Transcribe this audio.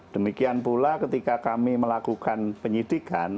demikian pula ketika kami melakukan penyidikan